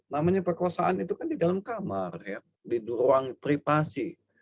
namanya perkosaan itu kan di dalam kamar ya di ruang privasi